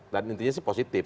dan intinya sih positif